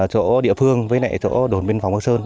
chỗ địa phương với chỗ đồn biên phòng bắc sơn